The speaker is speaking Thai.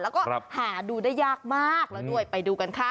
แล้วก็หาดูได้ยากมากแล้วด้วยไปดูกันค่ะ